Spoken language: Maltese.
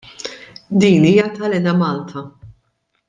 Din hija tal-Enemalta.